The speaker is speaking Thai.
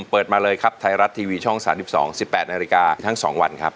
เปิดมาเลยครับไทยรัฐทีวีช่อง๓๒๑๘นาฬิกาทั้ง๒วันครับ